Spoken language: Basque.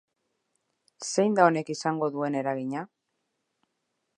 Zein da honek izango duen eragina?